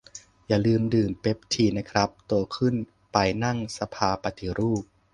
อย่าลืมดื่มเปปทีนนะครับ โตขึ้นไปนั่งสภาปฏิรูป